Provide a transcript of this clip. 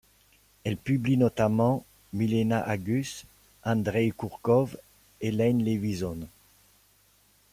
Elles publient notamment Milena Agus, Andreï Kourkov et Iain Levison.